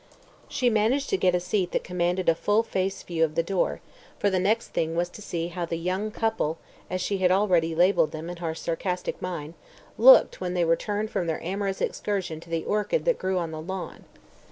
She managed to get a seat that commanded a full face view of the door, for the next thing was to see how "the young couple" (as she had already labelled them in her sarcastic mind) "looked" when they returned from their amorous excursion to the orchid that grew on the lawn.